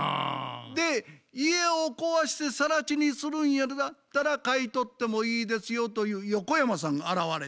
で家を壊してさら地にするんやったら買い取ってもいいですよという横山さんが現れたんや。